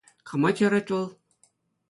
Кама чарать вӑл?